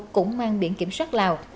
cũng mang biển kiểm soát lào